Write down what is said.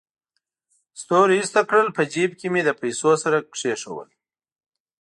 ستوري ایسته کړل، په جېب کې مې له پیسو سره کېښودل.